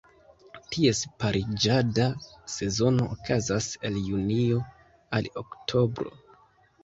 Ties pariĝada sezono okazas el Junio al Oktobro.